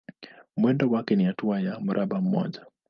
Mwendo wake ni hatua ya mraba mmoja.